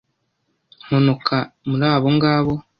mponoka muri abo ngabo